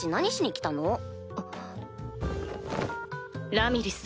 ラミリス様